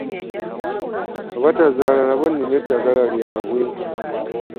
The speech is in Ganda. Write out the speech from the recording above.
Abatazaala nabo nina eddagala lyabwe.